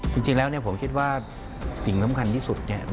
จริงแล้วผมคิดว่าสิ่งสำคัญที่สุด